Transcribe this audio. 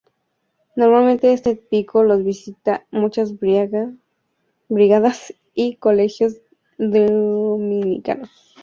Normalmente este pico lo visitan muchas brigadas y colegios dominicanos.